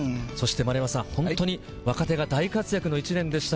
本当に若手が大活躍の１年でした。